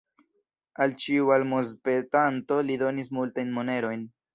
Al ĉiu almozpetanto li donis multajn monerojn.